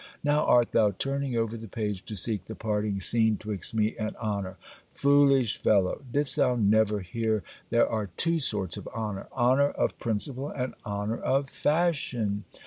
Now art thou turning over the page to seek the parting scene 'twixt me and honour. Foolish fellow! Didst thou never hear there are two sorts of honour? Honour of principle, and honour of fashion.